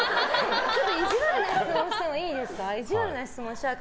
ちょっと意地悪な質問してもいいですか。